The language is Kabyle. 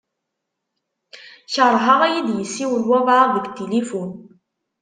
Kerheɣ ad iyi-d-yessiwel wabɛaḍ deg tilifun.